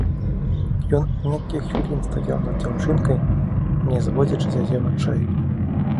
Ён некалькі хвілін стаяў над дзяўчынкай, не зводзячы з яе вачэй.